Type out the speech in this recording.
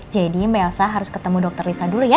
jadi mbak elsa harus ketemu dr lisa dulu ya